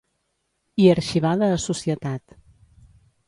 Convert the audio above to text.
I arxivada a Societat.